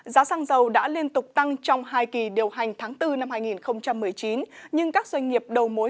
giá xăng dầu đã liên tục tăng trong hai kỳ điều hành tháng bốn năm hai nghìn một mươi chín nhưng các doanh nghiệp đầu mối